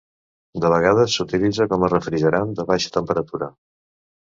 De vegades s'utilitza com a refrigerant de baixa temperatura.